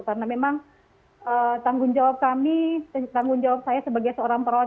karena memang tanggung jawab kami tanggung jawab saya sebagai seorang perawat